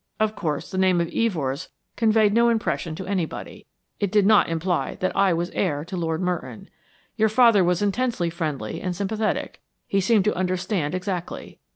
Of course, the name of Evors conveyed no impression to anybody. It did not imply that I was heir to Lord Merton. Your father was intensely friendly and sympathetic, he seemed to understand exactly.